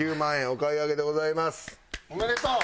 おめでとう。